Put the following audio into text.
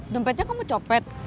dempetnya kamu copet